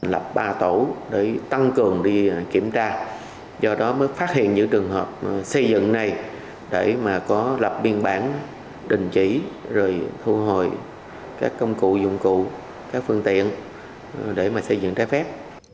lập ba tổ để tăng cường đi kiểm tra do đó mới phát hiện những trường hợp xây dựng này để mà có lập biên bản đình chỉ rồi thu hồi các công cụ dụng cụ các phương tiện để mà xây dựng trái phép